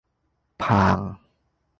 ผ่าง !